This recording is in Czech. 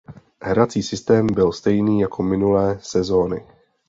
Hrací systém byl stejný jako minulé sezóny.